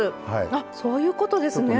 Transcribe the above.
あっそういうことですね。